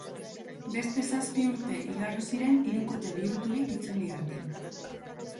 Beste zazpi urte igaro ziren hirukote bihurturik itzuli arte.